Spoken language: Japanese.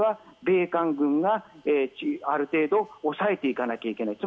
平和のためには米韓がある程度抑えていかなきゃいけない。